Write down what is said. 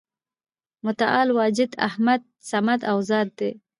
متعال واجد، احد، صمد او ذات دی ،